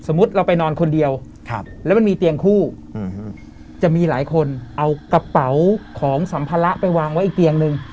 เราไปนอนคนเดียวแล้วมันมีเตียงคู่จะมีหลายคนเอากระเป๋าของสัมภาระไปวางไว้อีกเตียงนึง